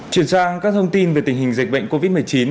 chuyển sang các thông tin về tình hình dịch bệnh covid một mươi chín